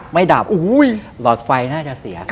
ไม่ดับโห้ยหลอดไฟน่าจะเสีย